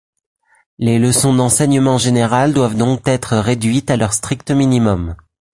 Les leçons d'enseignement général doivent donc être réduites à leur strict minimum.